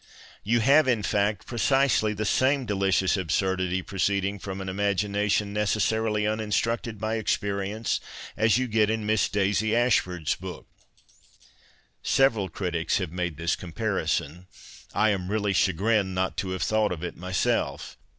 You have, in fact, precisely the same delicious absurdity, proceeding from an imagination necessarily uninstructed by experience, as you get in Miss Daisy Ashford's book. (Several critics have made this comparison. I am really chagrined not to have thought of it myself.